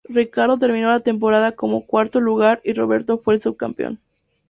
Ricardo terminó la temporada como cuarto lugar y Roberto fue el subcampeón.